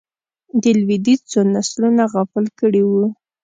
د لوېدیځ څو نسلونه غافل کړي وو.